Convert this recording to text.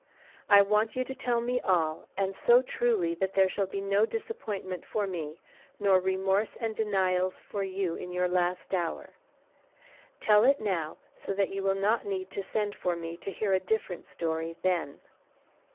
I want you to tell me all, and so truly that there shall be no disappointment for me, nor remorse and denials for you in your last hour. Tell it now, so that you will not need to send for me to hear a different story then."